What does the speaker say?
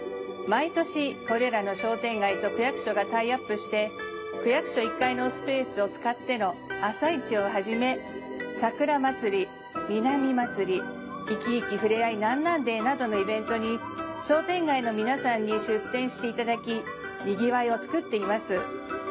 毎年これらの商店街と区役所がタイアップして区役所１階のスペースを使っての朝市を始め桜まつり南まつりいきいきふれあい南なんデーなどのイベントに商店街の皆さんに出店していただき賑わいをつくっています。